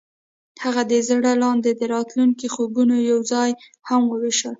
هغوی د زړه لاندې د راتلونکي خوبونه یوځای هم وویشل.